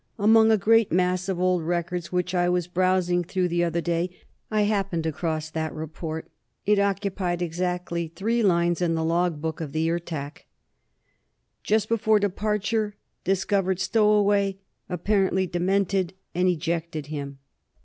Among a great mass of old records which I was browsing through the other day, I happened across that report; it occupied exactly three lines in the log book of the Ertak: "Just before departure, discovered stowaway, apparently demented, and ejected him."